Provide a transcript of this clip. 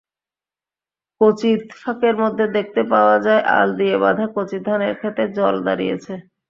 ক্বচিৎ ফাঁকের মধ্যে দেখতে পাওয়া যায় আল দিয়ে বাঁধা কচি ধানের খেতে জল দাঁড়িয়েছে।